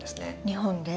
日本で？